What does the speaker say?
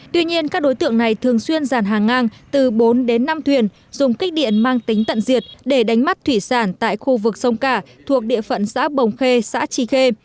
tuy nhiên các đối tượng này thường xuyên giàn hàng ngang từ bốn đến năm thuyền dùng kích điện mang tính tận diệt để đánh mắt thủy sản tại khu vực sông cả thuộc địa phận xã bồng khê xã tri khê